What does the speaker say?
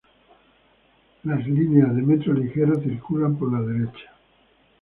Las líneas de Metro Ligero circulan por la derecha.